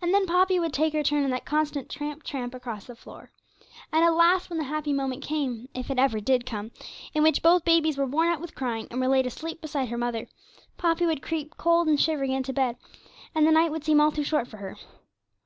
And then Poppy would take her turn in that constant tramp, tramp across the floor, and at last, when the happy moment came, if it ever did come, in which both babies were worn out with crying and were laid asleep beside her mother, Poppy would creep cold and shivering into bed, and the night would seem all too short for her.